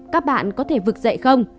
các bạn có thể vực dậy không